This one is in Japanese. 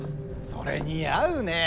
それ似合うねえ。